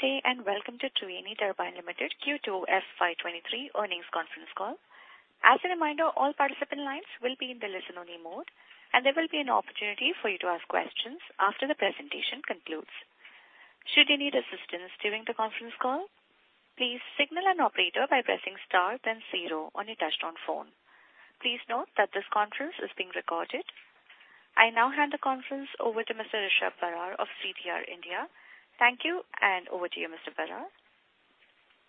Good day, and welcome to Triveni Turbine Limited Q2 FY23 earnings conference call. As a reminder, all participant lines will be in the listen-only mode, and there will be an opportunity for you to ask questions after the presentation concludes. Should you need assistance during the conference call, please signal an operator by pressing star then zero on your touchtone phone. Please note that this conference is being recorded. I now hand the conference over to Mr. Rishab Barar of CDR India. Thank you, and over to you, Mr. Barar.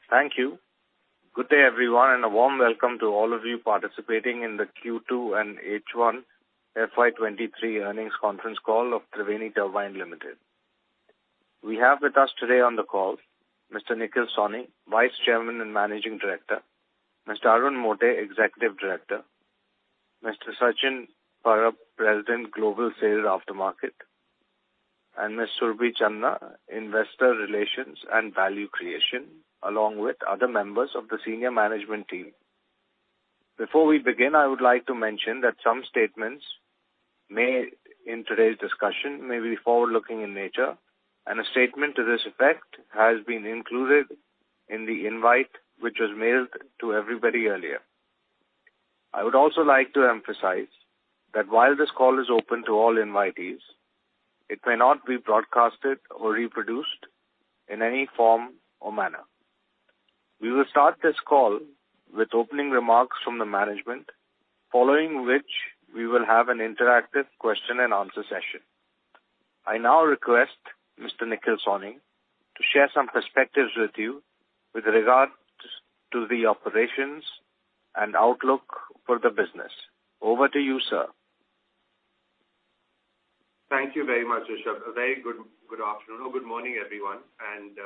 Thank you. Good day, everyone, and a warm welcome to all of you participating in the Q2 and H1 FY23 earnings conference call of Triveni Turbine Limited. We have with us today on the call Mr. Nikhil Sawhney, Vice Chairman and Managing Director, Mr. Arun Mote, Executive Director, Mr. Sachin Parab, President Global Sales Aftermarket, and Ms. Surabhi Chandna, Investor Relations and Value Creation, along with other members of the senior management team. Before we begin, I would like to mention that some statements made in today's discussion may be forward-looking in nature, and a statement to this effect has been included in the invite which was mailed to everybody earlier. I would also like to emphasize that while this call is open to all invitees, it may not be broadcasted or reproduced in any form or manner. We will start this call with opening remarks from the management, following which we will have an interactive question-and-answer session. I now request Mr. Nikhil Sawhney to share some perspectives with you with regards to the operations and outlook for the business. Over to you, sir. Thank you very much, Rishab. A very good afternoon or good morning, everyone, and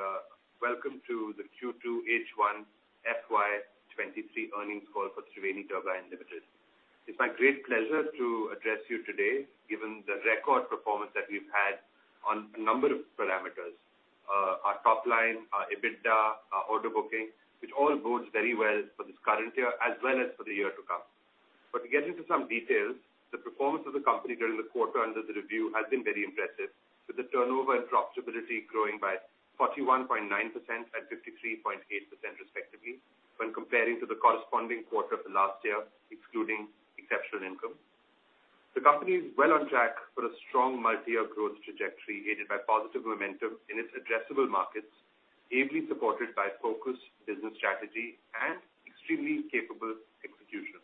welcome to the Q2 H1 FY23 earnings call for Triveni Turbine Limited. It's my great pleasure to address you today, given the record performance that we've had on a number of parameters. Our top line, our EBITDA, our order booking, which all bodes very well for this current year as well as for the year to come. To get into some details, the performance of the company during the quarter under review has been very impressive, with the turnover and profitability growing by 41.9% and 53.8% respectively when comparing to the corresponding quarter of the last year, excluding exceptional income. The company is well on track for a strong multi-year growth trajectory aided by positive momentum in its addressable markets, ably supported by focused business strategy and extremely capable execution.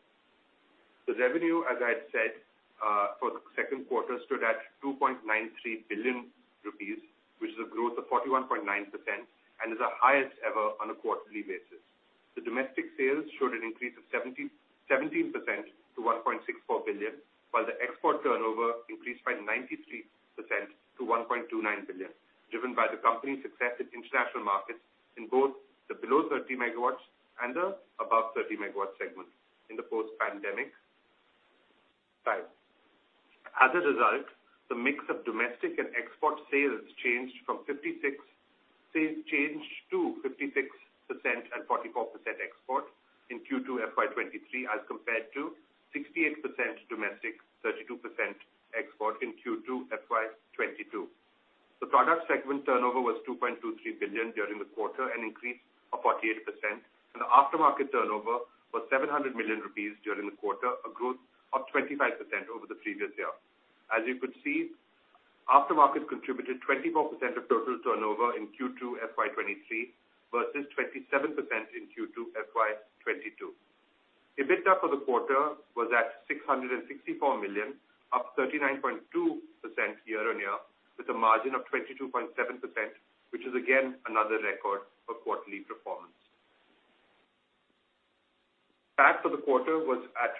The revenue, as I said, for the second quarter, stood at 2.93 billion rupees, which is a growth of 41.9% and is the highest ever on a quarterly basis. The domestic sales showed an increase of 77% to 1.64 billion, while the export turnover increased by 93% to 1.29 billion, driven by the company's success in international markets in both the below 30 MW and the above 30 MW segment in the post-pandemic time. As a result, the mix of domestic and export sales changed from 56%... ...changed to 56% and 44% export in Q2 FY23 as compared to 68% domestic, 32% export in Q2 FY22. The product segment turnover was 2.23 billion during the quarter, an increase of 48%. The aftermarket turnover was 700 million rupees during the quarter, a growth of 25% over the previous year. As you could see, aftermarket contributed 24% of total turnover in Q2 FY23 versus 27% in Q2 FY22. EBITDA for the quarter was at 664 million, up 39.2% year-on-year, with a margin of 22.7%, which is again another record for quarterly performance. PAT for the quarter was at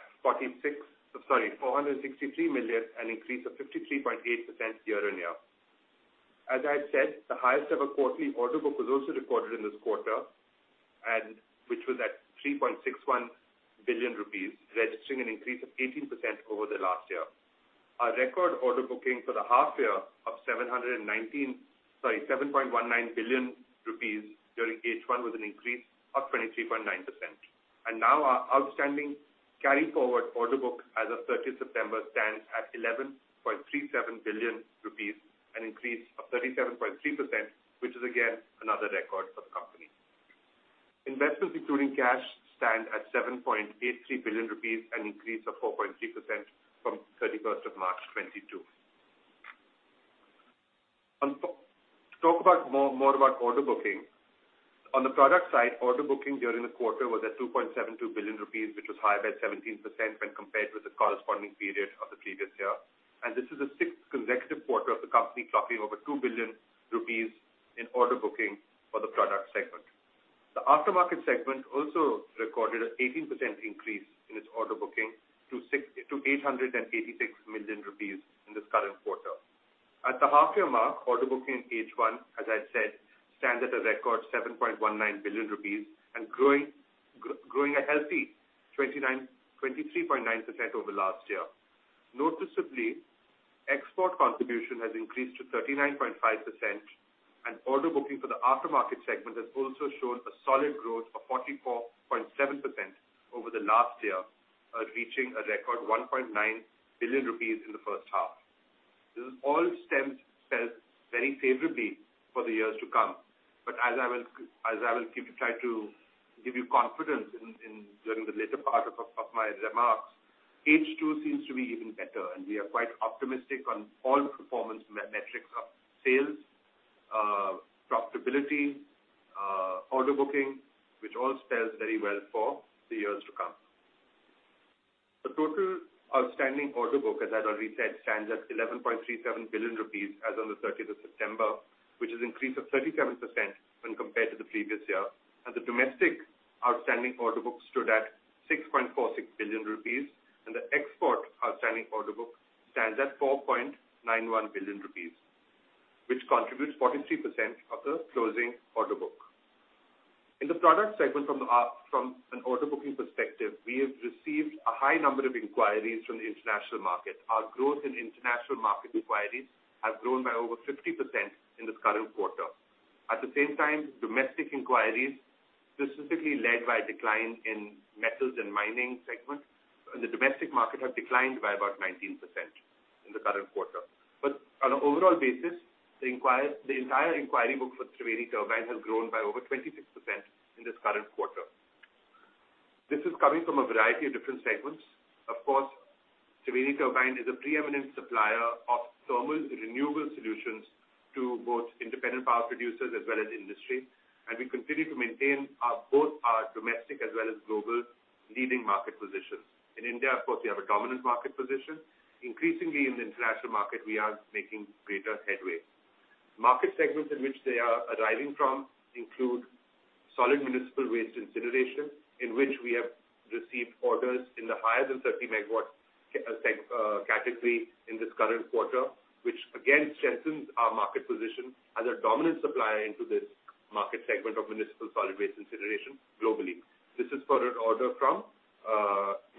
463 million, an increase of 53.8% year-on-year. As I said, the highest ever quarterly order book was also recorded in this quarter and which was at 3.61 billion rupees, registering an increase of 18% over the last year. Our record order booking for the half year of 7.19 billion rupees during H1 was an increase of 23.9%. Now our outstanding carry forward order book as of 30th September stands at 11.37 billion rupees, an increase of 37.3%, which is again another record for the company. Investments including cash stand at 7.83 billion rupees, an increase of 4.3% from 31st March 2022. To talk about more about order booking. On the product side, order booking during the quarter was at 2.72 billion rupees, which was higher by 17% when compared with the corresponding period of the previous year. This is the sixth consecutive quarter of the company clocking over 2 billion rupees in order booking for the product segment. The aftermarket segment also recorded an 18% increase in its order booking to 886 million rupees in this current quarter. At the half year mark, order booking in H1, as I said, stands at a record 7.19 billion rupees and growing a healthy 23.9% over last year. Noticeably, export contribution has increased to 39.5%, and order booking for the aftermarket segment has also shown a solid growth of 44.7% over the last year, reaching a record 1.9 billion rupees in the first half. This all spells very favorably for the years to come. As I will keep trying to give you confidence in during the later part of my remarks, H2 seems to be even better. We are quite optimistic on all the performance metrics of sales, profitability, order booking, which all spells very well for the years to come. The total outstanding order book, as I've already said, stands at 11.37 billion rupees as on the 30th of September, which is increase of 37% when compared to the previous year. The domestic outstanding order book stood at 6.46 billion rupees. The export outstanding order book stands at 4.91 billion rupees, which contributes 43% of the closing order book. In the product segment from an order booking perspective, we have received a high number of inquiries from the international market. Our growth in international market inquiries have grown by over 50% in this current quarter. At the same time, domestic inquiries, specifically led by a decline in metals and mining segment, the domestic market has declined by about 19% in the current quarter. On an overall basis, the entire inquiry book for Triveni Turbine has grown by over 26% in this current quarter. This is coming from a variety of different segments. Of course, Triveni Turbine is a preeminent supplier of thermal renewable solutions to both independent power producers as well as industry. We continue to maintain both our domestic as well as global leading market positions. In India, of course, we have a dominant market position. Increasingly in the international market, we are making greater headway. Market segments in which orders are arriving from include municipal solid waste incineration, in which we have received orders in the higher than 30-MW category in this current quarter. Which again strengthens our market position as a dominant supplier into this market segment of municipal solid waste incineration globally. This is for an order from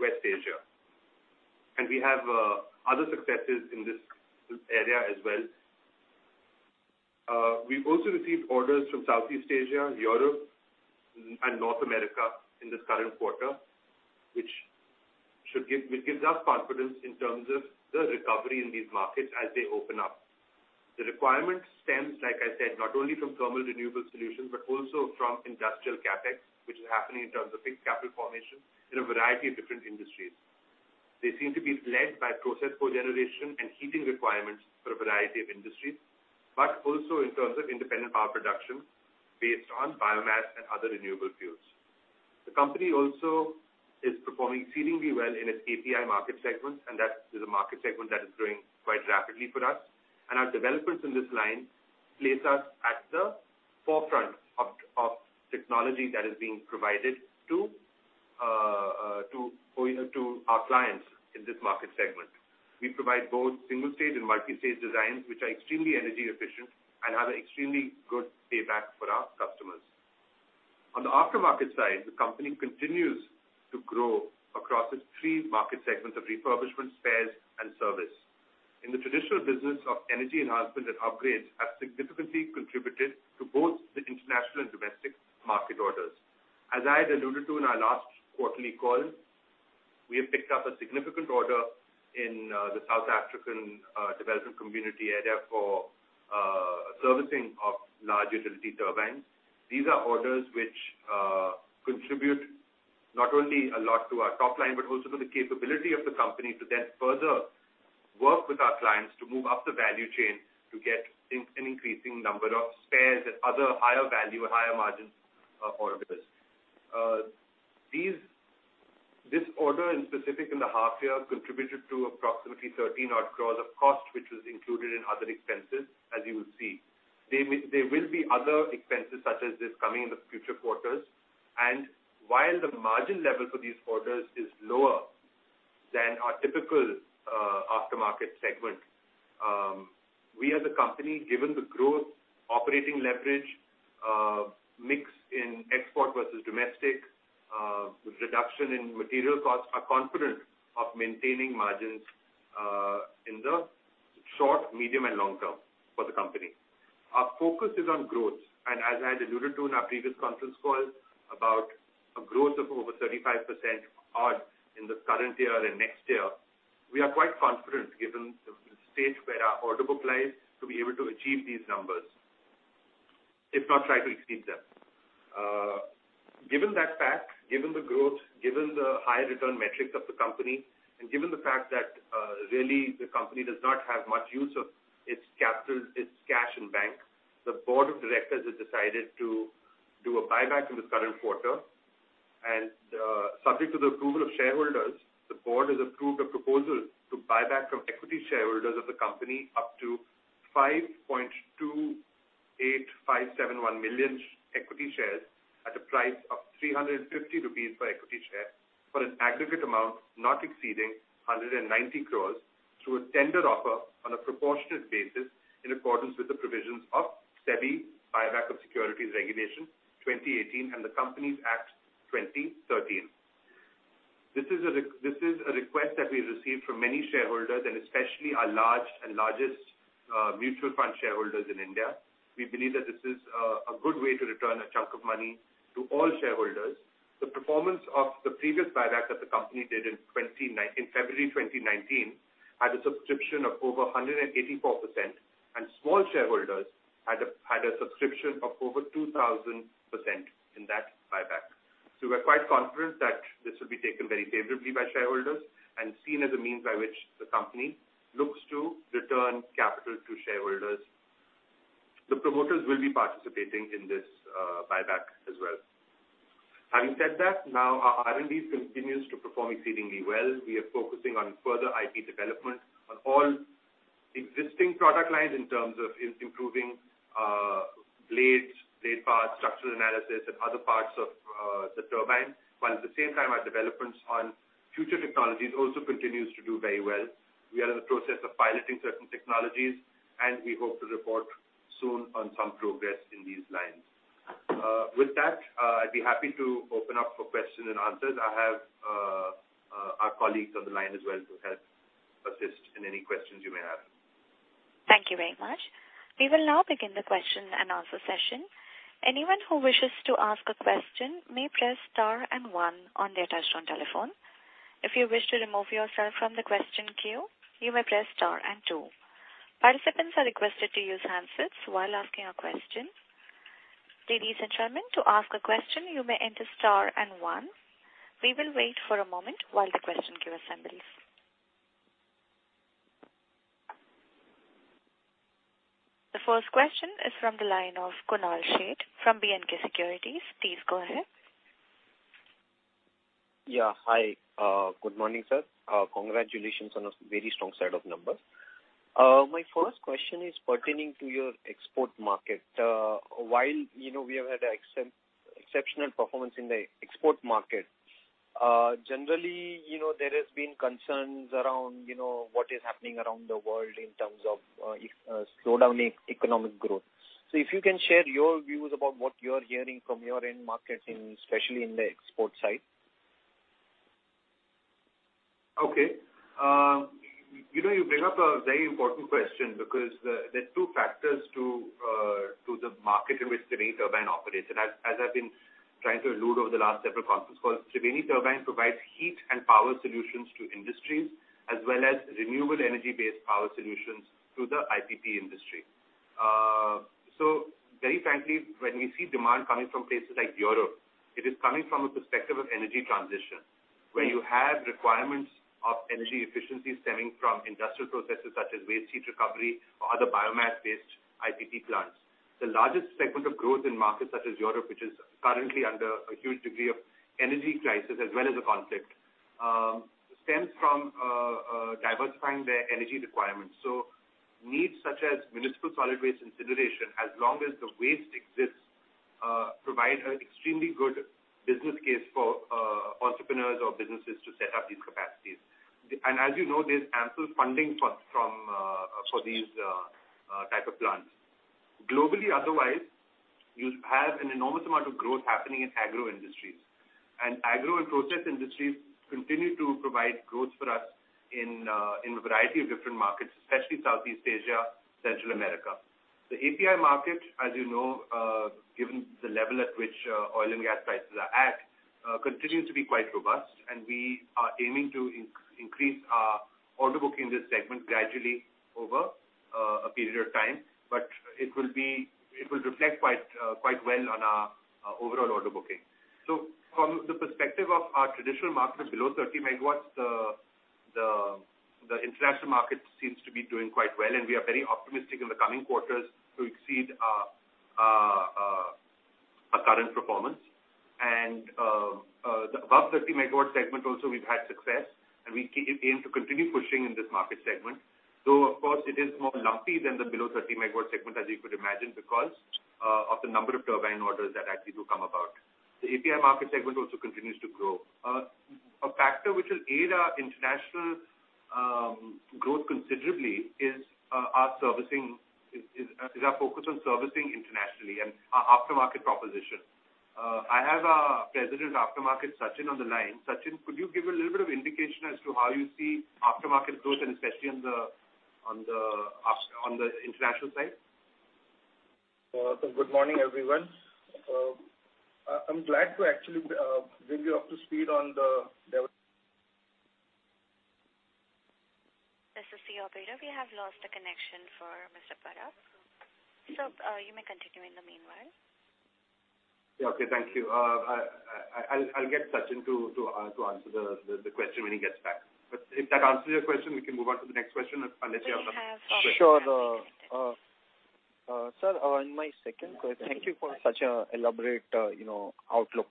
West Asia. We have other successes in this sector as well. We've also received orders from Southeast Asia, Europe, and North America in this current quarter, which gives us confidence in terms of the recovery in these markets as they open up. The requirement stems, like I said, not only from thermal renewable solutions, but also from industrial CapEx, which is happening in terms of fixed capital formation in a variety of different industries. They seem to be led by process co-generation and heating requirements for a variety of industries. Also in terms of independent power production based on biomass and other renewable fuels. The company also is performing exceedingly well in its API market segment, and that is a market segment that is growing quite rapidly for us. Our developments in this line place us at the forefront of technology that is being provided to you know to our clients in this market segment. We provide both single stage and multi-stage designs, which are extremely energy efficient and have extremely good payback for our customers. On the aftermarket side, the company continues to grow across its three market segments of refurbishment, spares, and service. In the traditional business of energy enhancement and upgrades, have significantly contributed to both the international and domestic market orders. As I had alluded to in our last quarterly call, we have picked up a significant order in the Southern African Development Community area for servicing of large utility turbines. These are orders which contribute not only a lot to our top line, but also to the capability of the company to then further work with our clients to move up the value chain to get in an increasing number of spares and other higher value, higher margins, order business. This order in specific in the half year contributed to approximately 13 odd crores of cost, which was included in other expenses, as you will see. There will be other expenses such as this coming in the future quarters. While the margin level for these orders is lower than our typical aftermarket segment, we as a company, given the growth, operating leverage, mix in export versus domestic, the reduction in material costs, are confident of maintaining margins in the short, medium and long term for the company. Our focus is on growth. As I had alluded to in our previous conference call, about a growth of over 35% odd in this current year and next year, we are quite confident given the stage where our order book lies, to be able to achieve these numbers. If not try to exceed them. Given that fact, given the growth, given the high return metrics of the company, and given the fact that really the company does not have much use of its capital, its cash in bank, the board of directors has decided to do a buyback in this current quarter. Subject to the approval of shareholders, the board has approved a proposal to buyback from equity shareholders of the company up to 5.28571 million equity shares at a price of 350 rupees per equity share for an aggregate amount not exceeding 190 crores through a tender offer on a proportionate basis in accordance with the provisions of SEBI (Buyback of Securities) Regulations, 2018 and the Companies Act, 2013. This is that we've received from many shareholders, and especially our large and largest mutual fund shareholders in India. We believe that this is a good way to return a chunk of money to all shareholders. The performance of the previous buyback that the company did in February 2019 had a subscription of over 184%, and small shareholders had a subscription of over 2,000% in that buyback. We're quite confident that this will be taken very favorably by shareholders and seen as a means by which the company looks to return capital to shareholders. The promoters will be participating in this buyback as well. Having said that, now our R&D continues to perform exceedingly well. We are focusing on further IP development on all existing product lines in terms of improving blades, blade paths, structural analysis, and other parts of the turbine, while at the same time our developments on future technologies also continues to do very well. We are in the process of piloting certain technologies, and we hope to report soon on some progress in these lines. With that, I'd be happy to open up for questions and answers. I have our colleagues on the line as well to help assist in any questions you may have. Thank you very much. We will now begin the question and answer session. Anyone who wishes to ask a question may press star and one on their touchtone telephone. If you wish to remove yourself from the question queue, you may press star and two. Participants are requested to use handsets while asking a question. Ladies and gentlemen, to ask a question, you may enter star and one. We will wait for a moment while the question queue assembles. The first question is from the line of Kunal Sheth from B&K Securities. Please go ahead. Yeah. Hi. Good morning, sir. Congratulations on a very strong set of numbers. My first question is pertaining to your export market. While, you know, we have had exceptional performance in the export market, generally, you know, there has been concerns around, you know, what is happening around the world in terms of slowdown in economic growth. If you can share your views about what you're hearing from your end markets, especially in the export side. Okay. You know, you bring up a very important question because there are two factors to the market in which Triveni Turbine operates. As I've been trying to allude over the last several conference calls, Triveni Turbine provides heat and power solutions to industries as well as renewable energy-based power solutions to the IPP industry. Very frankly, when we see demand coming from places like Europe, it is coming from a perspective of energy transition, where you have requirements of energy efficiency stemming from industrial processes such as waste heat recovery or other biomass-based IPP plants. The largest segment of growth in markets such as Europe, which is currently under a huge degree of energy crisis as well as a conflict, stems from diversifying their energy requirements. Needs such as municipal solid waste incineration, as long as the waste exists, provide an extremely good business case for entrepreneurs or businesses to set up these capacities. As you know, there's ample funding from for these type of plants. Globally, otherwise, you have an enormous amount of growth happening in agro industries. Agro and process industries continue to provide growth for us in a variety of different markets, especially Southeast Asia, Central America. The API market, as you know, given the level at which oil and gas prices are at, continues to be quite robust, and we are aiming to increase our order book in this segment gradually over a period of time. It will reflect quite well on our overall order booking. From the perspective of our traditional markets below 30 MW, the international market seems to be doing quite well, and we are very optimistic in the coming quarters to exceed our current performance. The above 30 MW segment also we've had success, and we aim to continue pushing in this market segment, though, of course, it is more lumpy than the below 30 MW segment, as you could imagine, because of the number of turbine orders that actually do come about. The API market segment also continues to grow. A factor which will aid our international growth considerably is our focus on servicing internationally and our aftermarket proposition. I have our President Aftermarket, Sachin Parab, on the line. Sachin, could you give a little bit of indication as to how you see aftermarket growth and especially on the international side? Good morning, everyone. I'm glad to actually bring you up to speed on the deve- This is the operator. We have lost the connection for Mr. Parab. You may continue in the meanwhile. Yeah. Okay. Thank you. I'll get Sachin to answer the question when he gets back. If that answers your question, we can move on to the next question, unless you have We have- Thank you for such an elaborate, you know, outlook.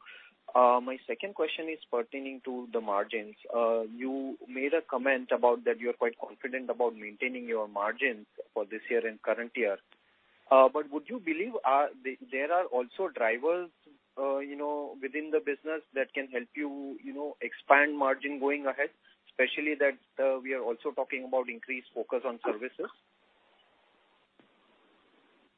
My second question is pertaining to the margins. You made a comment about that you're quite confident about maintaining your margins for this year and current year. But would you believe, there are also drivers, you know, within the business that can help you know, expand margin going ahead, especially that we are also talking about increased focus on services?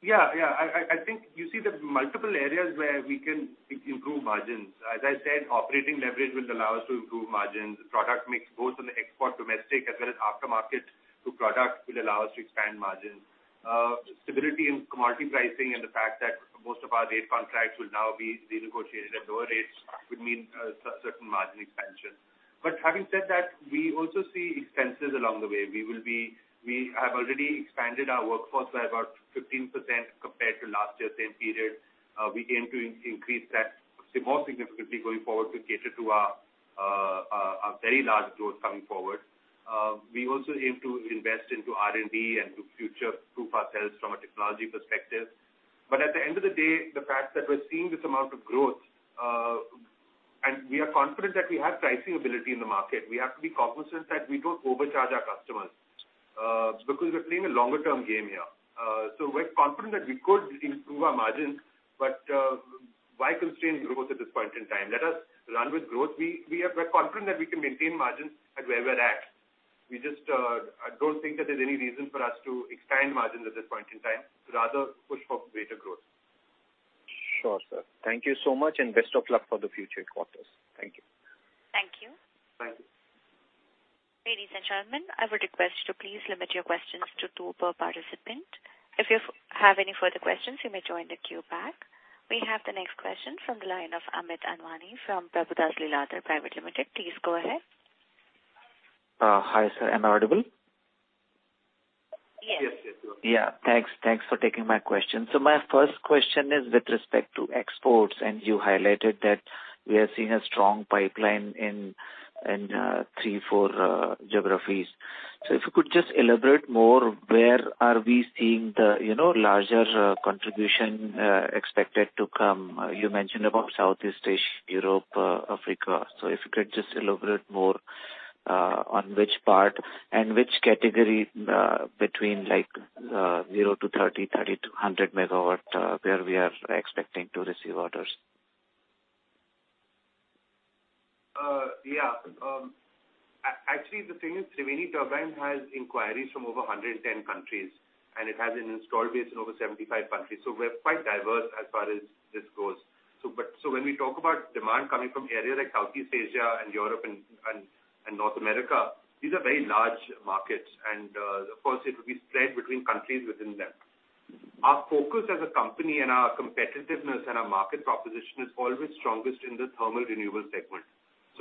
Yeah, yeah. I think you see the multiple areas where we can improve margins. As I said, operating leverage will allow us to improve margins. The product mix both on the export, domestic as well as aftermarket product will allow us to expand margins. Stability in commodity pricing and the fact that most of our rate contracts will now be renegotiated at lower rates would mean certain margin expansion. Having said that, we also see expenses along the way. We have already expanded our workforce by about 15% compared to last year's same period. We aim to increase that more significantly going forward to cater to our very large growth coming forward. We also aim to invest into R&D and to future-proof ourselves from a technology perspective. At the end of the day, the fact that we're seeing this amount of growth, and we are confident that we have pricing ability in the market. We have to be cognizant that we don't overcharge our customers, because we're playing a longer term game here. We're confident that we could improve our margins, but why constrain growth at this point in time? Let us run with growth. We are quite confident that we can maintain margins at where we're at. We just, I don't think that there's any reason for us to expand margins at this point in time, rather push for greater growth. Sure, sir. Thank you so much, and best of luck for the future quarters. Thank you. Thank you. Thank you. Ladies and gentlemen, I would request you to please limit your questions to two per participant. If you have any further questions, you may join the queue back. We have the next question from the line of Amit Anwani from Prabhudas Lilladher Private Limited. Please go ahead. Hi, sir. Am I audible? Yes. Yes, you are. Yeah. Thanks. Thanks for taking my question. My first question is with respect to exports, and you highlighted that we are seeing a strong pipeline in three or four geographies. If you could just elaborate more, where are we seeing the, you know, larger contribution expected to come? You mentioned about Southeast Asia, Europe, Africa. If you could just elaborate more, on which part and which category, between like, 0-30, 30-100 MW, where we are expecting to receive orders. Actually, the thing is, Triveni Turbine has inquiries from over 110 countries, and it has an installed base in over 75 countries. We're quite diverse as far as this goes. But when we talk about demand coming from areas like Southeast Asia and Europe and North America, these are very large markets. Of course, it will be spread between countries within them. Our focus as a company and our competitiveness and our market proposition is always strongest in the thermal renewable segment.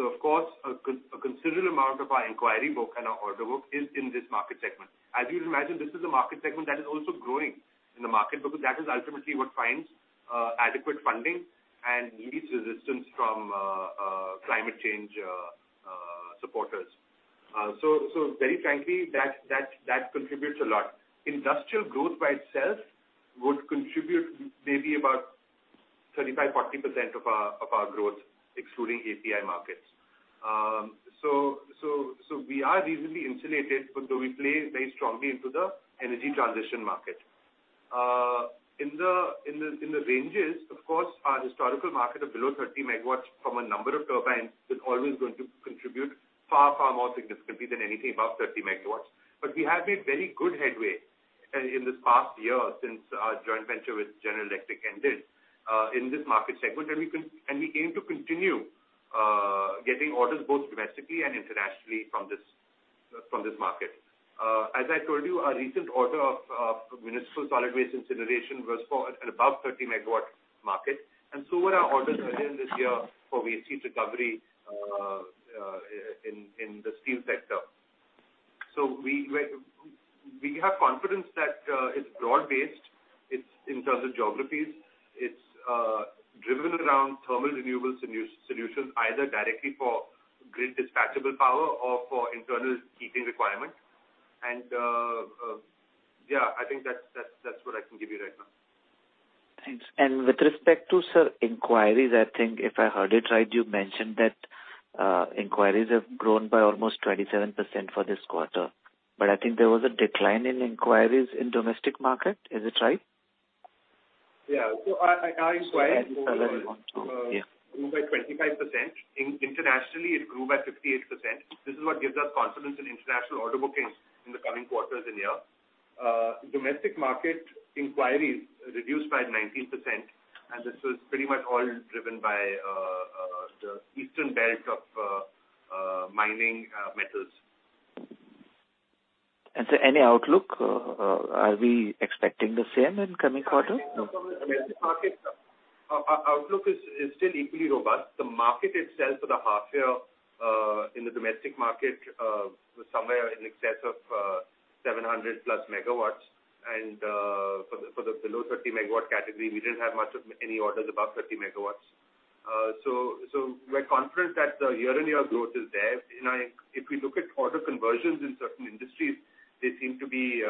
Of course, a considerable amount of our inquiry book and our order book is in this market segment. As you'd imagine, this is a market segment that is also growing in the market because that is ultimately what finds adequate funding and meets resistance from climate change supporters. Very frankly, that contributes a lot. Industrial growth by itself would contribute maybe about 35%, 40% of our growth, excluding API markets. We are reasonably insulated, but we do play very strongly into the energy transition market. In the ranges, of course, our historical market of below 30 MW from a number of turbines is always going to contribute far more significantly than anything above 30 MW. We have made very good headway in this past year since our joint venture with General Electric ended in this market segment. We aim to continue getting orders both domestically and internationally from this market. As I told you, our recent order of municipal solid waste incineration was for an above 30 MW market, and so were our orders earlier in this year for waste heat recovery in the steel sector. We have confidence that it's broad-based. It's in terms of geographies. It's driven around thermal renewable solutions, either directly for grid dispatchable power or for internal heating requirement. Yeah, I think that's what I can give you right now. Thanks. With respect to, sir, inquiries, I think if I heard it right, you mentioned that inquiries have grown by almost 27% for this quarter, but I think there was a decline in inquiries in domestic market. Is it right? Yeah. Our inquiries. As per your slide, you want to. Yeah. Grew by 25%. Internationally, it grew by 58%. This is what gives us confidence in international order bookings in the coming quarters and year. Domestic market inquiries reduced by 19%, and this is pretty much all driven by the eastern belt of mining metals. Any outlook, are we expecting the same in coming quarter? I think so. I mean, the market outlook is still equally robust. The market itself for the half-year in the domestic market was somewhere in excess of 700+ MW. For the below 30-MW category, we didn't have much of any orders above 30 MW. We're confident that the year-on-year growth is there. You know, if we look at order conversions in certain industries, they seem to be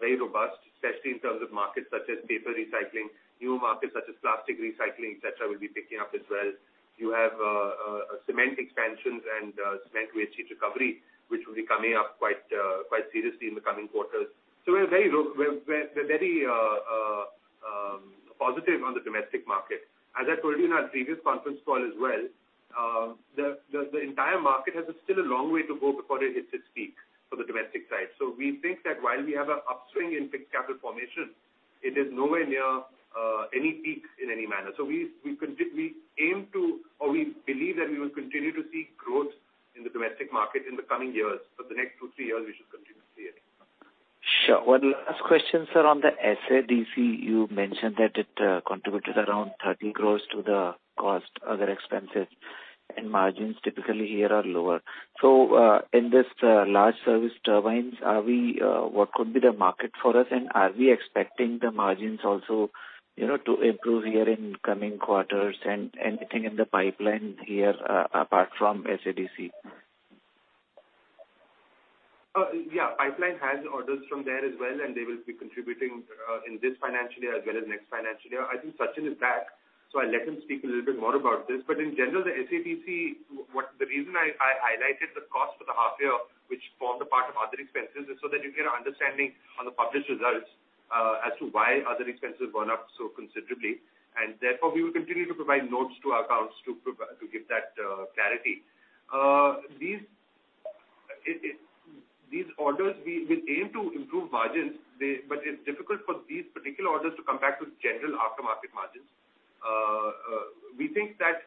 very robust, especially in terms of markets such as paper recycling. New markets such as plastic recycling, et cetera, will be picking up as well. You have cement expansions and cement waste heat recovery, which will be coming up quite seriously in the coming quarters. We're very positive on the domestic market. As I told you in our previous conference call as well, the entire market has still a long way to go before it hits its peak for the domestic side. We think that while we have an upswing in fixed capital formation, it is nowhere near any peaks in any manner. We aim to, or we believe that we will continue to see growth in the domestic market in the coming years. For the next two, three years, we should continue to see it. Sure. One last question, sir, on the SADC. You mentioned that it contributed around 30 crore to the cost, other expenses, and margins typically here are lower. So, in this large service turbines, are we what could be the market for us? And are we expecting the margins also, you know, to improve here in coming quarters and anything in the pipeline here apart from SADC? Pipeline has orders from there as well, and they will be contributing in this financial year as well as next financial year. I think Sachin is back, so I'll let him speak a little bit more about this. In general, the SADC. What the reason I highlighted the cost for the half year, which formed a part of other expenses, is so that you get an understanding on the published results as to why other expenses went up so considerably. Therefore, we will continue to provide notes to our accounts to give that clarity. These orders, we aim to improve margins. But it's difficult for these particular orders to compare to general aftermarket margins. We think that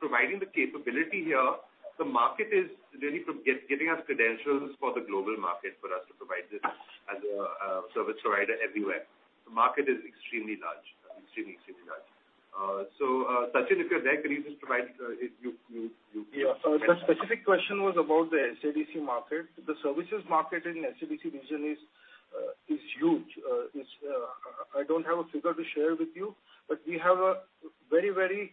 providing the capability here, the market is really giving us credentials for the global market for us to provide this as a service provider everywhere. The market is extremely large. Sachin, if you're there, can you please provide you. Yeah. The specific question was about the SADC market. The services market in SADC region is huge. I don't have a figure to share with you, but we have a very, very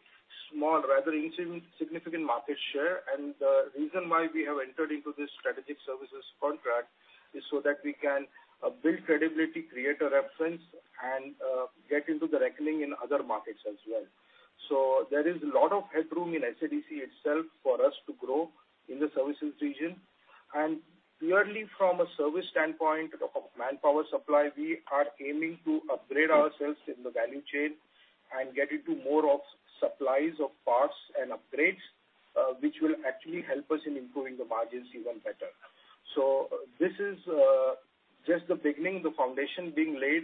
small, rather insignificant market share. The reason why we have entered into this strategic services contract is so that we can build credibility, create a reference, and get into the reckoning in other markets as well. There is a lot of headroom in SADC itself for us to grow in the services region. Purely from a service standpoint of manpower supply, we are aiming to upgrade ourselves in the value chain and get into more of supplies of parts and upgrades, which will actually help us in improving the margins even better. This is just the beginning, the foundation being laid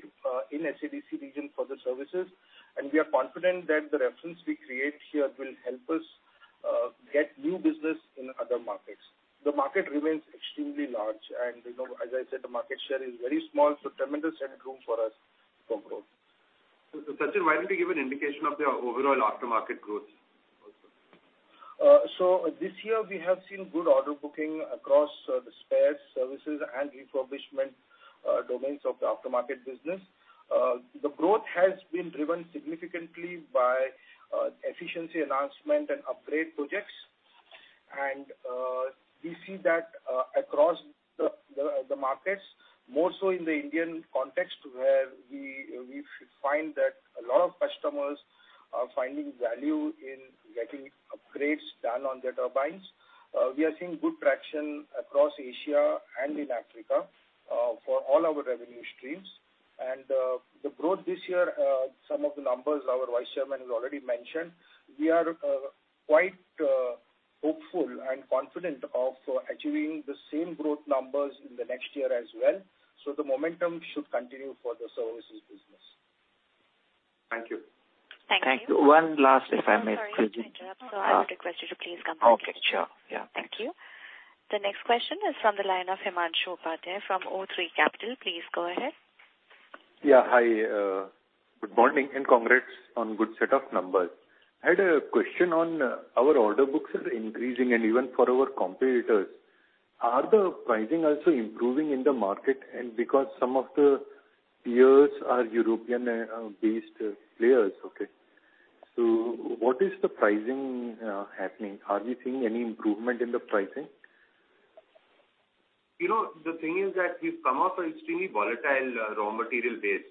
in SADC region for the services. We are confident that the reference we create here will help us get new business in other markets. The market remains extremely large, and you know, as I said, the market share is very small, so tremendous headroom for us to grow. Sachin, why don't you give an indication of the overall aftermarket growth also? This year we have seen good order booking across the spares, services, and refurbishment domains of the aftermarket business. The growth has been driven significantly by efficiency enhancement and upgrade projects. We see that across the markets, more so in the Indian context, where we find that a lot of customers are finding value in getting upgrades done on their turbines. We are seeing good traction across Asia and in Africa for all our revenue streams. The growth this year some of the numbers our Vice Chairman has already mentioned. We are quite hopeful and confident of achieving the same growth numbers in the next year as well. The momentum should continue for the services business. Thank you. Thank you. Thank you. One last, if I may. I'm sorry to interrupt. I would request you to please come back. Okay, sure. Yeah, thanks. Thank you. The next question is from the line of Himanshu Upadhyay from O3 Capital. Please go ahead. Yeah, hi. Good morning, and congrats on good set of numbers. I had a question on our order books is increasing and even for our competitors. Are the pricing also improving in the market? Because some of the peers are European based players, okay. So what is the pricing happening? Are we seeing any improvement in the pricing? You know, the thing is that we come off a extremely volatile raw material base.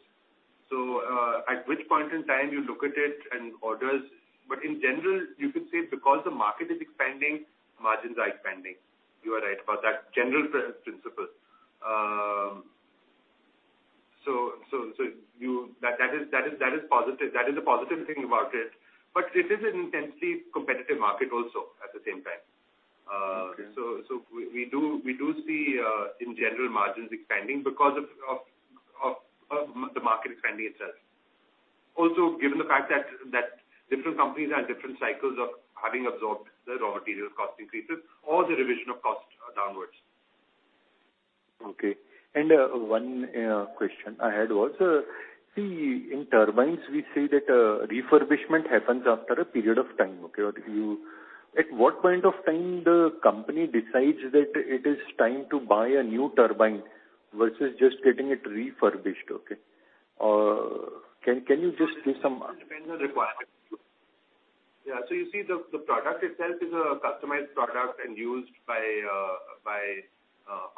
At which point in time you look at it and orders, but in general, you could say because the market is expanding, margins are expanding. You are right about that general principle. That is positive. That is a positive thing about it. It is an intensely competitive market also at the same time. Okay. We do see in general margins expanding because of the market expanding itself. Also, given the fact that different companies are at different cycles of having absorbed the raw material cost increases or the revision of costs downwards. Okay. One question I had was, see, in turbines, we see that refurbishment happens after a period of time, okay. At what point of time the company decides that it is time to buy a new turbine versus just getting it refurbished, okay? Can you just give some- It depends on requirement. Yeah. You see the product itself is a customized product and used by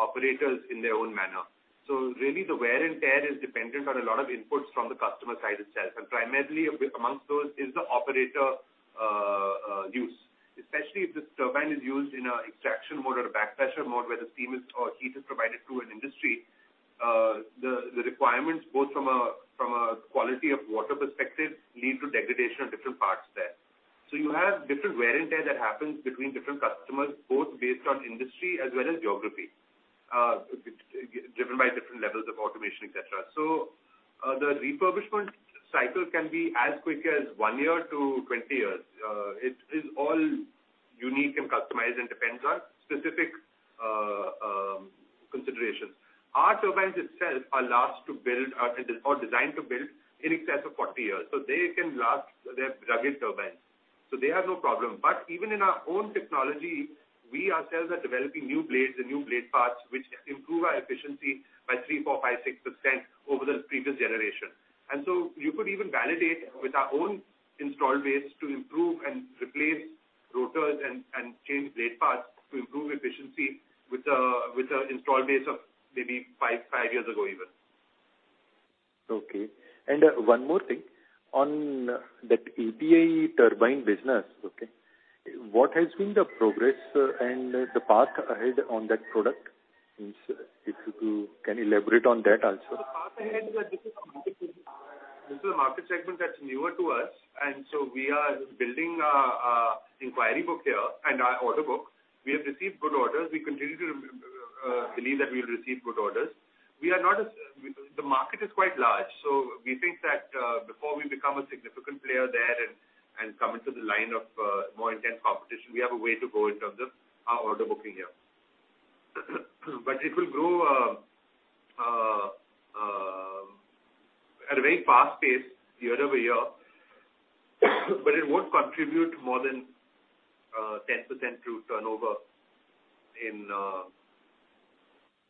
operators in their own manner. Really the wear and tear is dependent on a lot of inputs from the customer side itself. Primarily among those is the operator use. Especially if this turbine is used in an extraction mode or a back pressure mode where the steam or heat is provided to an industry, the requirements both from a quality of water perspective lead to degradation of different parts there. You have different wear and tear that happens between different customers, both based on industry as well as geography, different by different levels of automation, et cetera. The refurbishment cycle can be as quick as 1 year-20 years. It is all unique and customized and depends on specific considerations. Our turbines itself are last to build or are designed to build in excess of 40 years, so they can last, they're rugged turbines, so they have no problem. But even in our own technology, we ourselves are developing new blades and new blade parts which improve our efficiency by 3%, 4%, 5%, 6% over the previous generation. You could even validate with our own installed base to improve and replace rotors and change blade parts to improve efficiency with a installed base of maybe 5 years ago even. Okay. One more thing. On that API turbine business, okay, what has been the progress and the path ahead on that product? If you can elaborate on that also? The path ahead is that this is a market segment that's newer to us, and we are building our inquiry book here and our order book. We have received good orders. We continue to believe that we'll receive good orders. The market is quite large, so we think that before we become a significant player there and come into the line of more intense competition, we have a way to go in terms of our order booking here. It will grow at a very fast pace year-over-year, but it won't contribute more than 10% to turnover.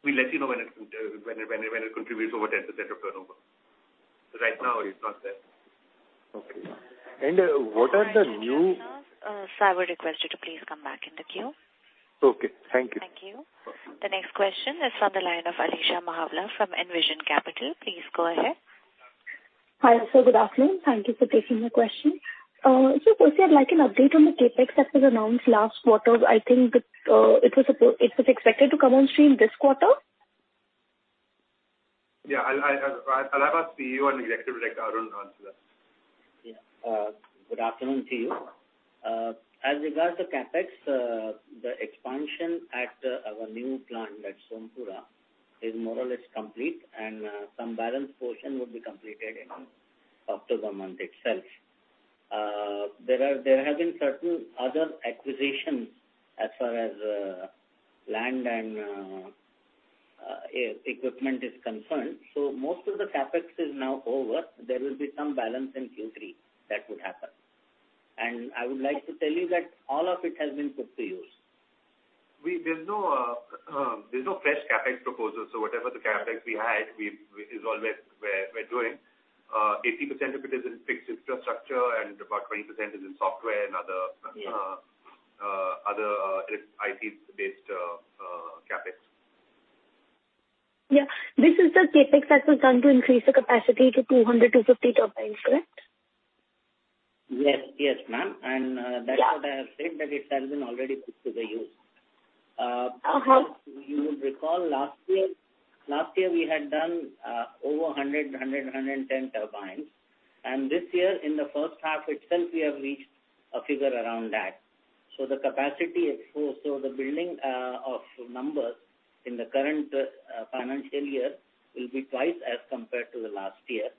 We'll let you know when it contributes over 10% of turnover. Right now it's not there. What are the new- Sir, I would request you to please come back in the queue. Okay, thank you. Thank you. The next question is from the line of Alisha Mahawla from Envision Capital. Please go ahead. Hi, sir. Good afternoon. Thank you for taking my question. Firstly I'd like an update on the CapEx that was announced last quarter. I think it was expected to come on stream this quarter. Yeah, I'll have our CEO and Executive Director, Arun, answer that. Yeah. Good afternoon to you. As regards to CapEx, the expansion at our new plant at Sompura is more or less complete and some balance portion would be completed in October month itself. There have been certain other acquisitions as far as land and equipment is concerned. Most of the CapEx is now over. There will be some balance in Q3 that would happen. I would like to tell you that all of it has been put to use. There's no fresh CapEx proposals. Whatever the CapEx we had is all that we're doing. 80% of it is in fixed infrastructure and about 20% is in software and other. Yeah. Other IT-based CapEx. Yeah. This is the CapEx that will come to increase the capacity to 200 turbines-250 turbines, correct? Yes. Yes, ma'am. Yeah. That's what I have said, that it has been already put to the use. Uh, how- You would recall last year we had done over 110 turbines. This year in the first half itself, we have reached a figure around that. The capacity is full. The building of numbers in the current financial year will be twice as compared to the last year.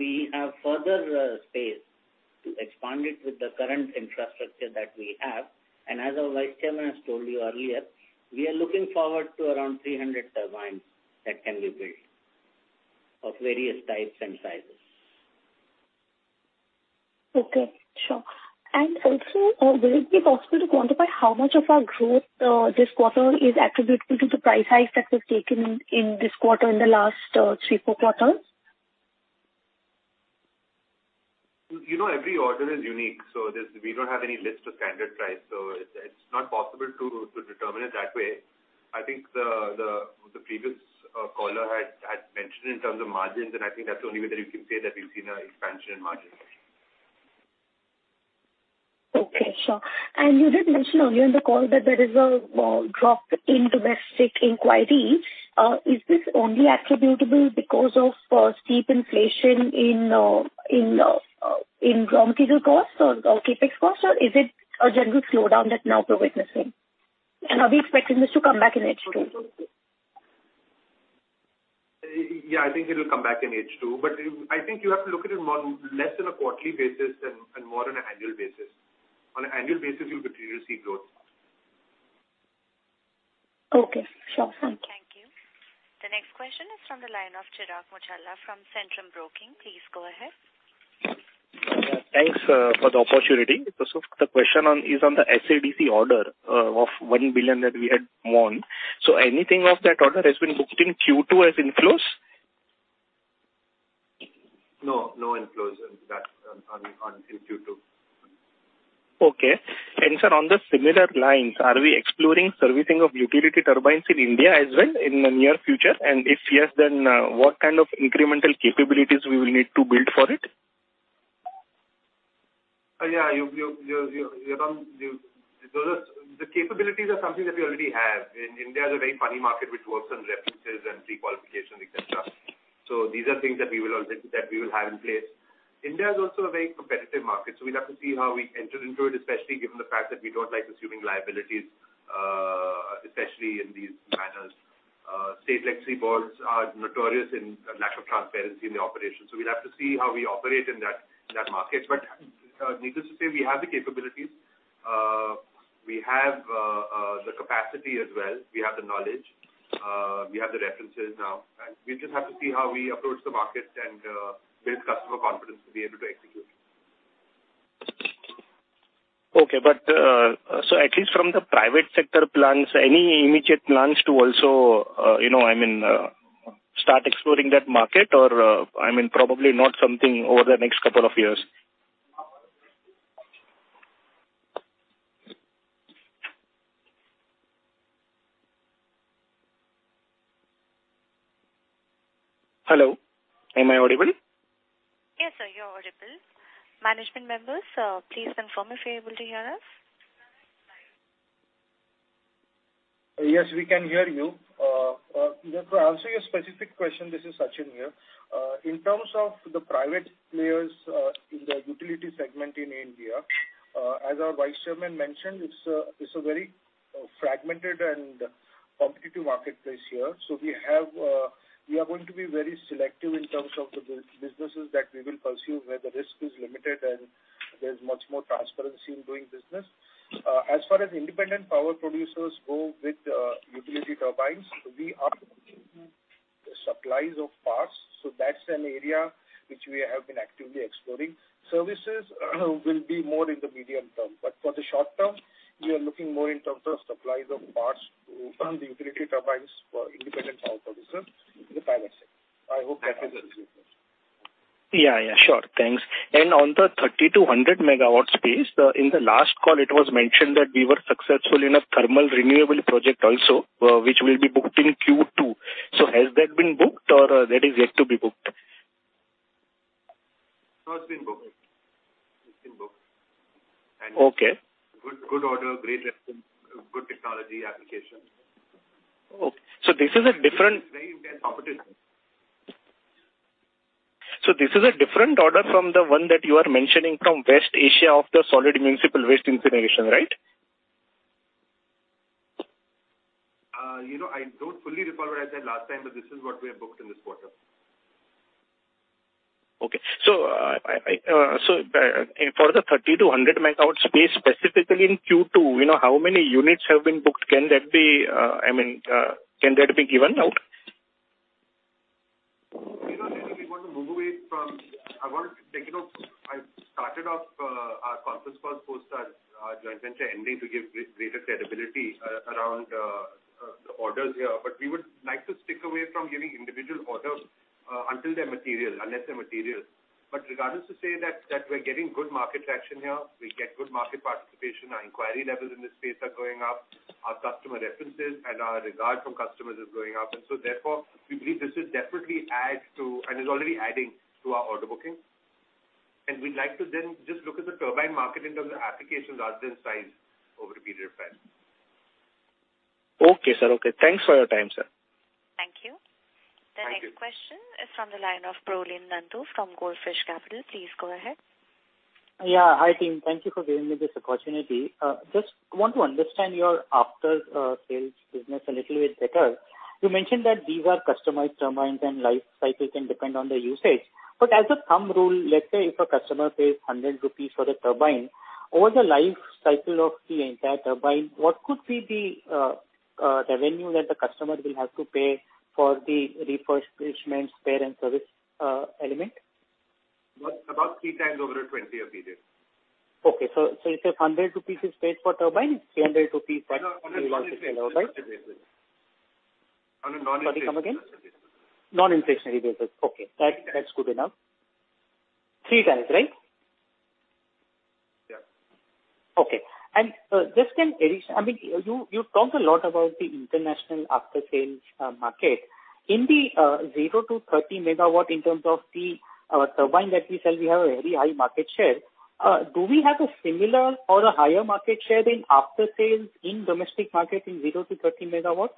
We have further space to expand it with the current infrastructure that we have. As our Vice Chairman has told you earlier, we are looking forward to around 300 turbines that can be built of various types and sizes. Okay. Sure. Will it be possible to quantify how much of our growth this quarter is attributable to the price hike that was taken in this quarter in the last three, four quarters? You know, every order is unique, so this. We don't have any list of standard price, so it's not possible to determine it that way. I think the previous caller had mentioned in terms of margins, and I think that's the only way that you can say that we've seen an expansion in margins. Okay. Sure. You did mention earlier in the call that there is a drop in domestic inquiry. Is this only attributable because of steep inflation in raw material costs or CapEx costs, or is it a general slowdown that now we're witnessing? Are we expecting this to come back in H2? Yeah, I think it'll come back in H2, but I think you have to look at it more, less on a quarterly basis and more on an annual basis. On an annual basis, you'll continue to see growth. Okay. Sure. Thank you. Thank you. The next question is from the line of Chirag Muchhala from Centrum Broking. Please go ahead. Yeah. Thanks for the opportunity. The question is on the SADC order of 1 billion that we had won. Anything of that order has been booked in Q2 as inflows? No inflows in that, on in Q2. Okay. Sir, on the similar lines, are we exploring servicing of utility turbines in India as well in the near future? If yes, then what kind of incremental capabilities we will need to build for it? Yeah, those are the capabilities that we already have. India is a very funny market which works on references and prequalification, et cetera. These are things that we will have in place. India is also a very competitive market, so we'll have to see how we enter into it, especially given the fact that we don't like assuming liabilities, especially in these matters. States like [Ceylon] are notorious for lack of transparency in the operation. We'll have to see how we operate in that market. Needless to say, we have the capabilities. We have the capacity as well. We have the knowledge. We have the references now. We just have to see how we approach the market and build customer confidence to be able to execute. Okay. At least from the private sector plans, any immediate plans to also, you know, I mean, start exploring that market or, I mean, probably not something over the next couple of years. Hello, am I audible? Yes, sir, you're audible. Management members, please confirm if you're able to hear us. Yes, we can hear you. To answer your specific question, this is Sachin here. In terms of the private players in the utility segment in India, as our Vice Chairman mentioned, it's a very fragmented and competitive marketplace here. We are going to be very selective in terms of the businesses that we will pursue, where the risk is limited and there's much more transparency in doing business. As far as independent power producers go with utility turbines, we are suppliers of parts, so that's an area which we have been actively exploring. Services will be more in the medium term, but for the short term, we are looking more in terms of suppliers of parts to run the utility turbines for independent power producers in the private sector. I hope that answers your question. Yeah, yeah, sure. Thanks. On the 30 MW-100 MW space, in the last call, it was mentioned that we were successful in a thermal renewable project also, which will be booked in Q2. Has that been booked or that is yet to be booked? No, it's been booked. It's been booked. Okay. Good order, great reference, good technology application. Oh, so this is a different- Very intense competition. This is a different order from the one that you are mentioning from West Asia of the municipal solid waste incineration, right? You know, I don't fully recall what I said last time, but this is what we have booked in this quarter. For the 30 MW-100 MW space, specifically in Q2, you know, how many units have been booked? Can that be, I mean, can that be given out? You know, Nikhil, we want to move away from. I wanted to take a note. I started off our conference call post our joint venture ending to give greater credibility around the orders here. We would like to stay away from giving individual orders until they're material, unless they're material. Regardless, to say that we're getting good market traction here, we get good market participation. Our inquiry levels in this space are going up, our customer references and our regard from customers is going up. Therefore we believe this will definitely add to, and is already adding to our order booking. We'd like to then just look at the turbine market in terms of applications rather than size over a period of time. Okay, sir. Okay. Thanks for your time, sir. Thank you. Thank you. The next question is from the line of Prolin Nandu from Goldfish Capital. Please go ahead. Yeah. Hi, team. Thank you for giving me this opportunity. Just want to understand your after-sales business a little bit better. You mentioned that these are customized turbines and life cycle can depend on the usage. As a thumb rule, let's say if a customer pays 100 rupees for a turbine over the life cycle of the entire turbine, what could be the revenue that the customer will have to pay for the replenishment, spare and service element? About three times over a 20-year period. If 100 rupees is paid for turbine, 300 rupees for. On a non-inflationary basis. Non-inflationary basis. Okay. Yes. That's good enough. Three times, right? Yeah. Okay. Just an addition. I mean, you talked a lot about the international after-sales market. In the 0 MW-30 MW in terms of the turbine that we sell, we have a very high market share. Do we have a similar or a higher market share in after-sales in domestic market in 0 MW-30 MW?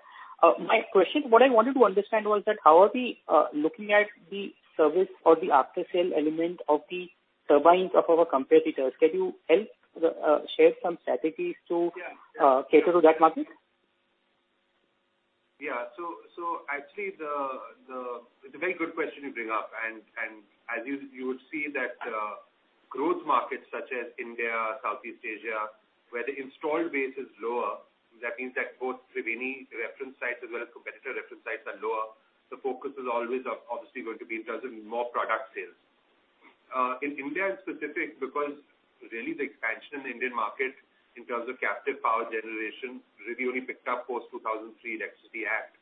My question, what I wanted to understand was that how are we looking at the service or the after-sale element of the turbines of our competitors? Can you help share some strategies to- Yeah, yeah. cater to that market? Actually, it's a very good question you bring up. As you would see that growth markets such as India, Southeast Asia, where the installed base is lower, that means that both Triveni reference sites as well as competitor reference sites are lower. The focus is always obviously going to be in terms of more product sales. In India in specific, because really the expansion in Indian market in terms of captive power generation really only picked up post 2003 Electricity Act.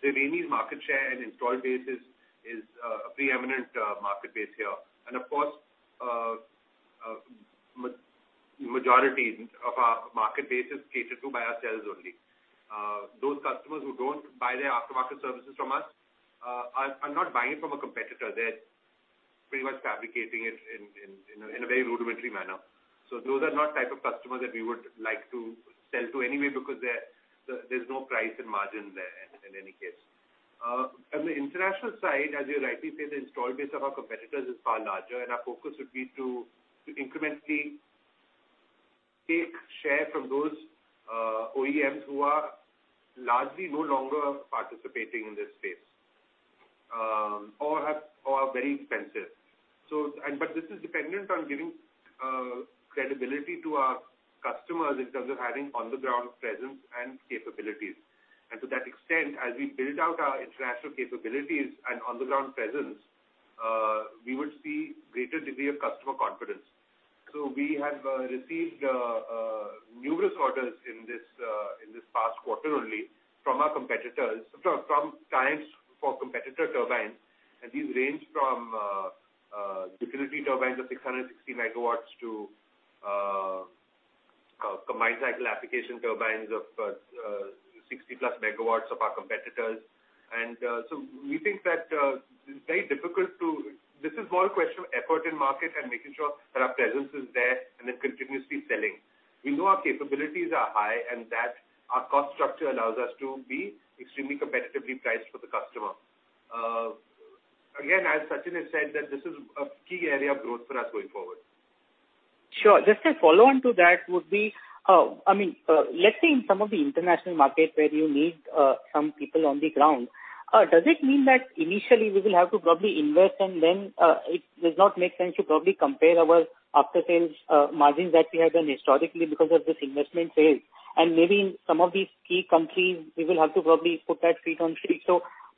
Triveni's market share and installed base is a preeminent market base here. Of course, majority of our market base is catered to by ourselves only. Those customers who don't buy their aftermarket services from us are not buying it from a competitor. They're pretty much fabricating it in a very rudimentary manner. Those are not type of customers that we would like to sell to anyway because there's no price and margin there in any case. On the international side, as you rightly said, the installed base of our competitors is far larger, and our focus would be to incrementally take share from those OEMs who are largely no longer participating in this space, or are very expensive. This is dependent on giving credibility to our customers in terms of having on-the-ground presence and capabilities. To that extent, as we build out our international capabilities and on-the-ground presence, we would see greater degree of customer confidence. We have received numerous orders in this past quarter only from our competitors. From clients for competitor turbines, and these range from utility turbines of 660 MW to combined cycle application turbines of 60+ MW of our competitors. We think that it's very difficult. This is more a question of effort in market and making sure that our presence is there and then continuously selling. We know our capabilities are high and that our cost structure allows us to be extremely competitively priced for the customer. Again, as Sachin has said, that this is a key area of growth for us going forward. Sure. Just a follow-on to that would be, I mean, let's say in some of the international market where you need some people on the ground. Does it mean that initially we will have to probably invest and then it does not make sense to probably compare our after-sales margins that we have done historically because of this investment sales? Maybe in some of these key countries we will have to probably put that feet on street.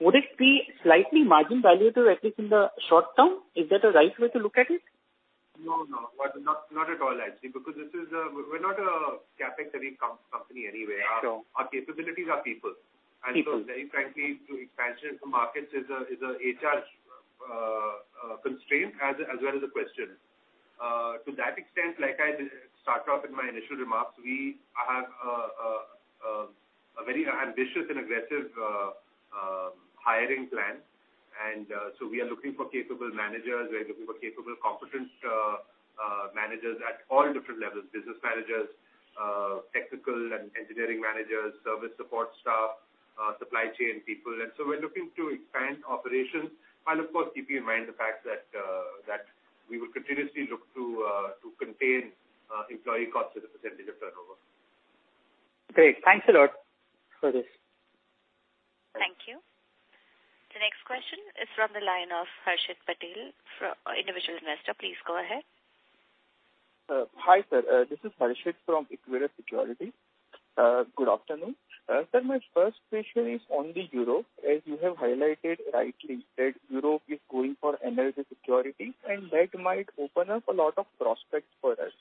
Would it be slightly margin dilutive, at least in the short term? Is that a right way to look at it? No. Not at all, actually, because we're not a CapEx-heavy company anyway. Sure. Our capabilities are people. People. Very frankly, to expansion into markets is a HR constraint as well as a question. To that extent, like I did start off in my initial remarks, we have a very ambitious and aggressive hiring plan. We are looking for capable managers. We are looking for capable, competent managers at all different levels, business managers, technical and engineering managers, service support staff, supply chain people. We're looking to expand operations and of course keep in mind the fact that we will continuously look to contain employee costs as a percentage of turnover. Great. Thanks a lot for this. Thank you. The next question is from the line of Harshit Patel from Individual investor. Please go ahead. Hi, sir. This is Harshit from Equirus Securities. Good afternoon. Sir, my first question is on Europe, as you have highlighted rightly, that Europe is going for energy security, and that might open up a lot of prospects for us.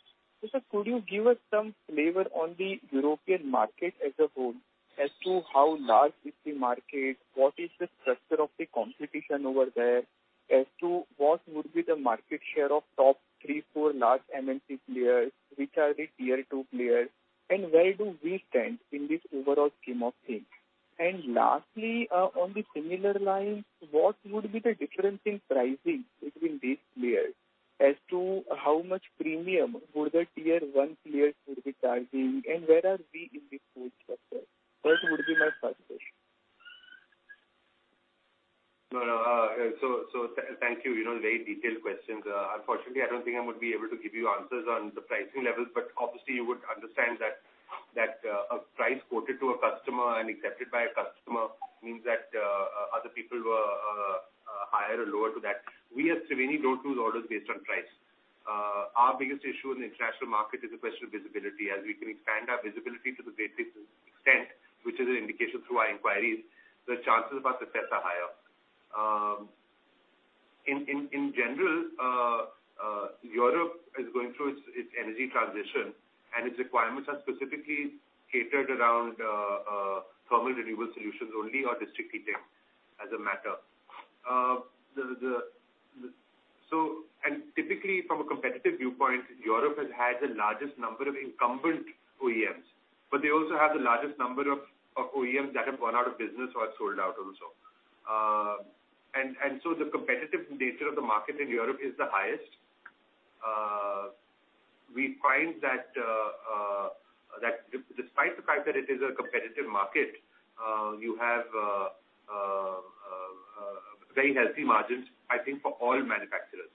Sir, could you give us some flavor on the European market as a whole as to how large is the market, what is the structure of the competition over there as to what would be the market share of top three, four large MNC players? Which are the tier two players, and where do we stand in this overall scheme of things? And lastly, on the similar lines, what would be the difference in pricing between these players as to how much premium would the tier one players would be charging, and where are we in this whole structure? That would be my first question. No, no. Thank you. You know, very detailed questions. Unfortunately, I don't think I would be able to give you answers on the pricing levels, but obviously you would understand that a price quoted to a customer and accepted by a customer means that other people were higher or lower to that. We at Triveni don't lose orders based on price. Our biggest issue in the international market is a question of visibility. As we can expand our visibility to the greatest extent, which is an indication through our inquiries, the chances of our success are higher. In general, Europe is going through its energy transition, and its requirements are specifically catered around thermal renewable solutions only or district heating as a matter. Typically, from a competitive viewpoint, Europe has had the largest number of incumbent OEMs, but they also have the largest number of OEMs that have gone out of business or have sold out also. The competitive nature of the market in Europe is the highest. We find that despite the fact that it is a competitive market, you have very healthy margins, I think for all manufacturers.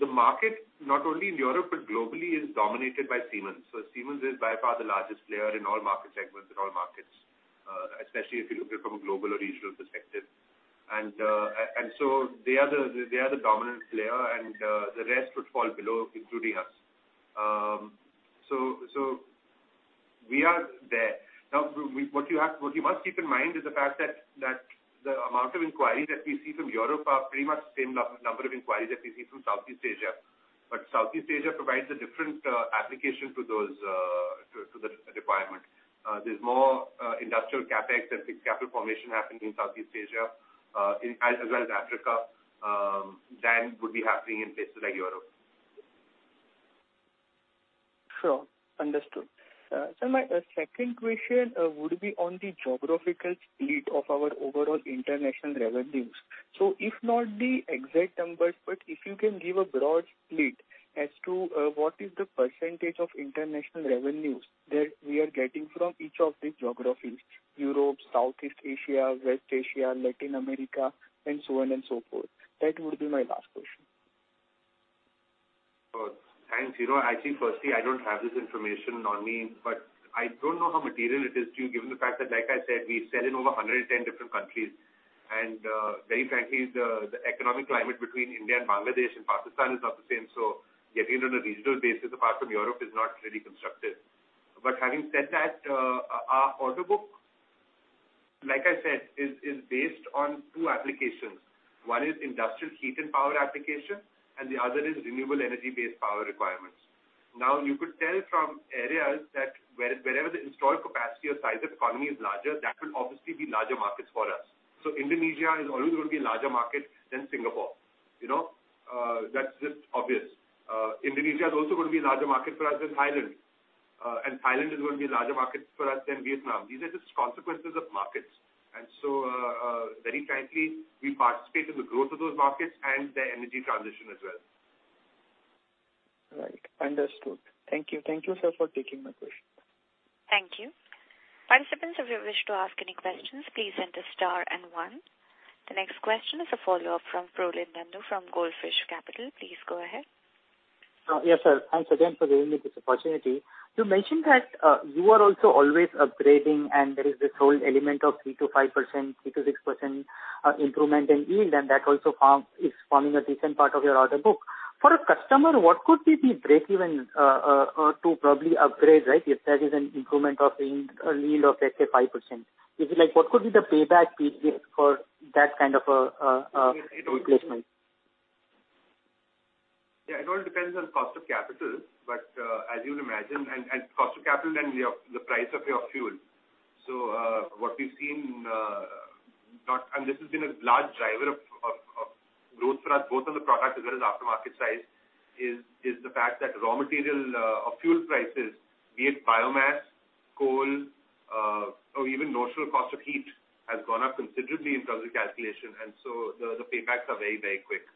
The market, not only in Europe but globally, is dominated by Siemens. Siemens is by far the largest player in all market segments, in all markets, especially if you look at it from a global or regional perspective. They are the dominant player, and the rest would fall below, including us. We are there. Now, what you must keep in mind is the fact that the amount of inquiries that we see from Europe are pretty much the same number of inquiries that we see from Southeast Asia. Southeast Asia provides a different application to those requirements. There's more industrial CapEx and big capital formation happening in Southeast Asia as well as Africa than would be happening in places like Europe. Sure. Understood. Sir, my second question would be on the geographical split of our overall international revenues. If not the exact numbers, but if you can give a broad split as to what is the percentage of international revenues that we are getting from each of these geographies, Europe, Southeast Asia, West Asia, Latin America, and so on and so forth. That would be my last question. Thanks. You know, actually, firstly, I don't have this information on me, but I don't know how material it is to you, given the fact that, like I said, we sell in over 110 different countries. Very frankly, the economic climate between India and Bangladesh and Pakistan is not the same. Getting on a regional basis apart from Europe is not really constructive. Having said that, our order book, like I said, is based on two applications. One is industrial heat and power application, and the other is renewable energy-based power requirements. Now you could tell from areas that wherever the installed capacity or size of economy is larger, that will obviously be larger markets for us. Indonesia is always going to be a larger market than Singapore. You know, that's just obvious. Indonesia is also going to be a larger market for us than Thailand. Thailand is going to be a larger market for us than Vietnam. These are just consequences of markets. Very frankly, we participate in the growth of those markets and their energy transition as well. Right. Understood. Thank you. Thank you, sir, for taking my questions. Thank you. Participants, if you wish to ask any questions, please enter star and one. The next question is a follow-up from Prolin Nandu from Goldfish Capital. Please go ahead. Yes, sir. Thanks again for giving me this opportunity. You mentioned that you are also always upgrading, and there is this whole element of 3%-5%, 3%-6% improvement in yield, and that also is forming a decent part of your order book. For a customer, what could be the breakeven to probably upgrade, right? If there is an improvement of yield, a yield of let's say 5%. Is it like what could be the payback period for that kind of a replacement? It all depends on cost of capital, but as you'd imagine, and cost of capital and the price of your fuel. What we've seen, this has been a large driver of growth for us both on the product as well as aftermarket side, is the fact that raw material or fuel prices, be it biomass, coal, or even notional cost of heat, has gone up considerably in terms of calculation. The paybacks are very quick.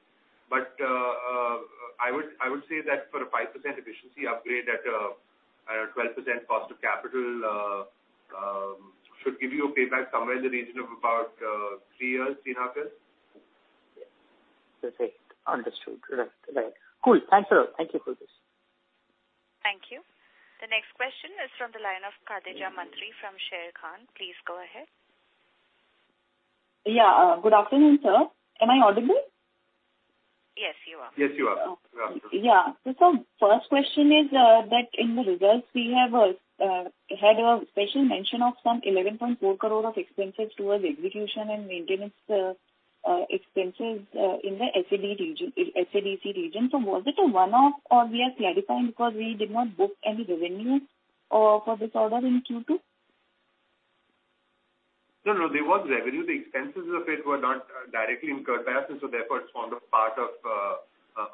I would say that for a 5% efficiency upgrade at 12% cost of capital should give you a payback somewhere in the region of about 3 years-3.5 years. Perfect. Understood. Correct. Correct. Cool. Thanks a lot. Thank you for this. Thank you. The next question is from the line of Khadija Mantri from Sharekhan. Please go ahead. Yeah. Good afternoon, sir. Am I audible? Yes, you are. Yes, you are. First question is that in the results we have had a special mention of some 11.4 crore of expenses towards execution and maintenance expenses in the SADC region. Was it a one-off or we are clarifying because we did not book any revenues for this order in Q2? No, no. There was revenue. The expenses of it were not directly incurred by us, and so therefore it's formed a part of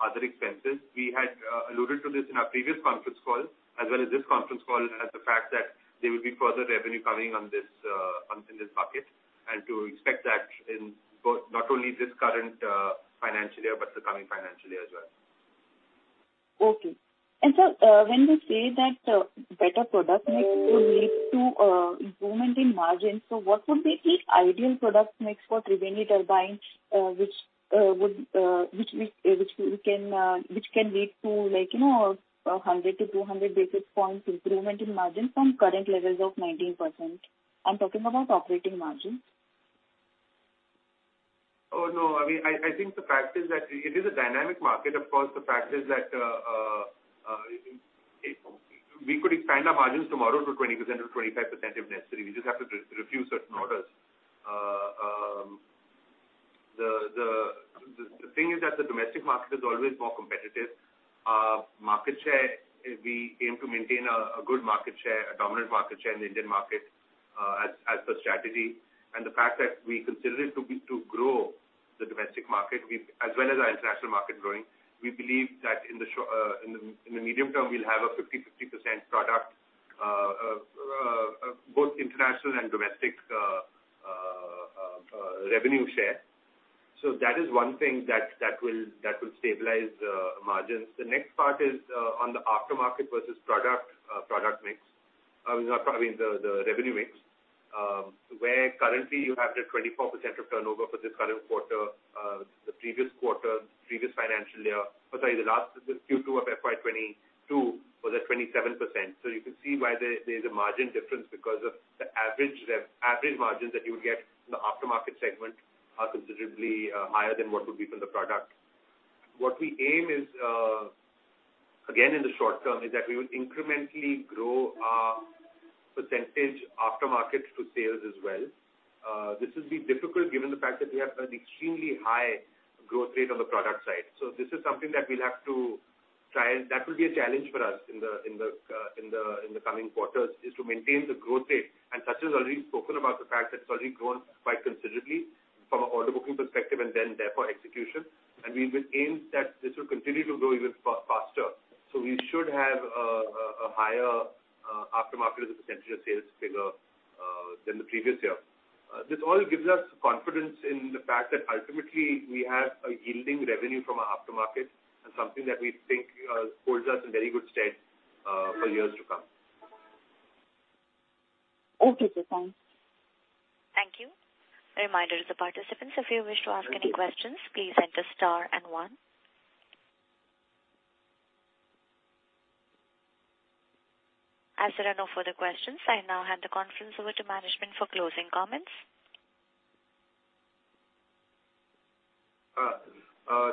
other expenses. We had alluded to this in our previous conference call as well as this conference call, as the fact that there will be further revenue coming in this bucket, and to expect that in both, not only this current financial year but the coming financial year as well. Okay. Sir, when you say that better product mix will lead to improvement in margins, what would be the ideal product mix for Triveni Turbine, which can lead to like, you know, 100 basis points-200 basis points improvement in margins from current levels of 19%? I'm talking about operating margins. No. I mean, I think the fact is that it is a dynamic market. Of course, the fact is that we could expand our margins tomorrow to 20% or 25% if necessary. We just have to refuse certain orders. The thing is that the domestic market is always more competitive. Market share, we aim to maintain a good market share, a dominant market share in the Indian market, as per strategy. The fact that we consider it to be to grow the domestic market as well as our international market growing, we believe that in the medium term, we'll have a 50% product both international and domestic revenue share. That is one thing that will stabilize margins. The next part is on the aftermarket versus product mix. I mean, not product, I mean the revenue mix, where currently you have the 24% of turnover for this current quarter, the previous quarter, previous financial year. Oh, sorry, the Q2 of FY 2022 was at 27%. You can see why there's a margin difference because of the average margins that you would get in the aftermarket segment are considerably higher than what would be from the product. What we aim is, again, in the short term, is that we will incrementally grow our percentage aftermarket to sales as well. This will be difficult given the fact that we have an extremely high growth rate on the product side. This is something that we'll have to try, and that will be a challenge for us in the coming quarters, is to maintain the growth rate. Sachin has already spoken about the fact that it's already grown quite considerably from an order booking perspective and then therefore execution. We will aim that this will continue to grow even faster. We should have a higher aftermarket as a percentage of sales figure than the previous year. This all gives us confidence in the fact that ultimately we have a yielding revenue from our aftermarket and something that we think holds us in very good stead for years to come. Okay, sir. Thanks. Thank you. A reminder to the participants, if you wish to ask any questions, please enter star and one. As there are no further questions, I now hand the conference over to management for closing comments.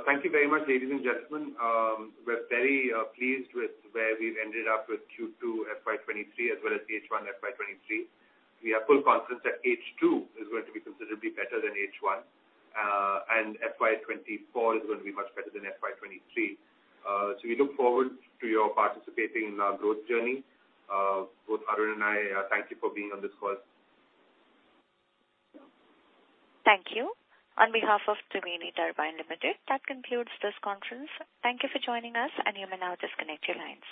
Thank you very much, ladies and gentlemen. We're very pleased with where we've ended up with Q2 FY 2023 as well as H1 FY 2023. We have full confidence that H2 is going to be considerably better than H1. FY 2024 is going to be much better than FY 2023. We look forward to your participating in our growth journey. Both Arun and I thank you for being on this call. Thank you. On behalf of Triveni Turbine Limited, that concludes this conference. Thank you for joining us, and you may now disconnect your lines.